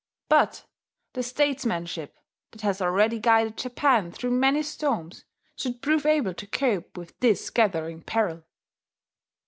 But the statesmanship that has already guided Japan through many storms should prove able to cope with this gathering peril.